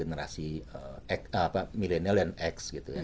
generasi milenial dan x